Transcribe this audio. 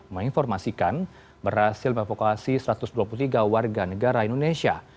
menginformasikan berhasil mevokasi satu ratus dua puluh tiga warga negara indonesia